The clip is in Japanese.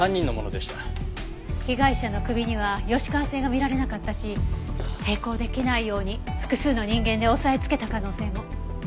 被害者の首には吉川線が見られなかったし抵抗出来ないように複数の人間で押さえつけた可能性も。